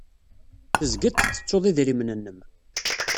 Tezgiḍ tettettuḍ idrimen-nnem.